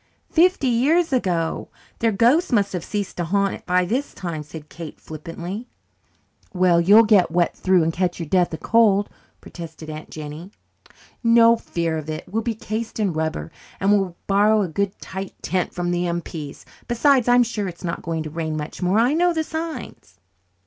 "Fifty years ago! Their ghosts must have ceased to haunt it by this time," said Kate flippantly. "Well, you'll get wet through and catch your deaths of cold," protested Aunt Jennie. "No fear of it. We'll be cased in rubber. And we'll borrow a good tight tent from the M.P.s. Besides, I'm sure it's not going to rain much more. I know the signs."